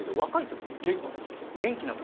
元気な時。